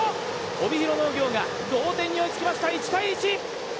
帯広農業が同点に追いつきました、１対１！